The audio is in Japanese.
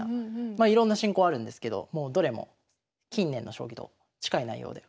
まあいろんな進行あるんですけどもうどれも近年の将棋と近い内容で。